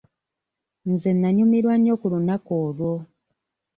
Nze nnanyumirwa nnyo ku lunaku olwo.